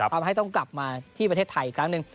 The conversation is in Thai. ทำให้ต้องกลับมาที่ประเทศไทยอีกครั้งหนึ่ง